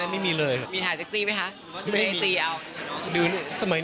ไม่มีอาทิตย์อะไรอย่าง